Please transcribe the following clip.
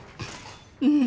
うん